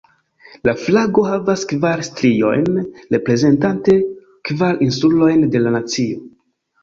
La flago havas kvar striojn, reprezentante kvar insulojn de la nacio.